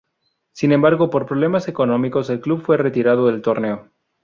Sin embargo por problemas económicos el club fue retirado del torneo.